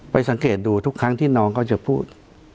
สังเกตดูทุกครั้งที่น้องเขาจะพูด